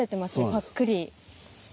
ぱっくり。